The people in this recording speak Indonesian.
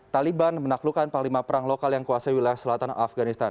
taliban menaklukkan panglima perang lokal yang kuasai wilayah selatan afganistan